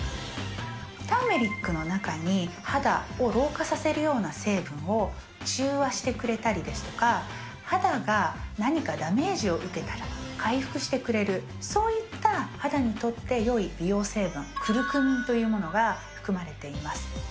ターメリックの中に肌を老化させるような成分を中和してくれたりですとか、肌が何かダメージを受けたら回復してくれる、そういった肌にとってよい美容成分、クルクミンというものが含まれています。